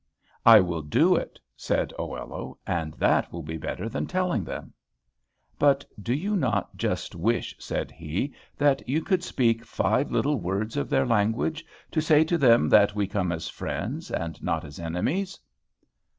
"I will do it," said Oello, "and that will be better than telling them." "But do not you just wish," said he, "that you could speak five little words of their language, to say to them that we come as friends, and not as enemies?"